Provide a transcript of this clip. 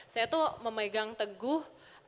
saya tuh memegang teguh